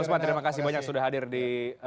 mbak mosman terima kasih banyak sudah hadir di